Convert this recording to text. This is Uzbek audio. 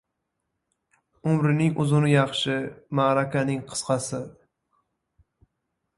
• Umrning uzuni yaxshi, ma’rakaning ― qisqasi.